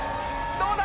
どうだ！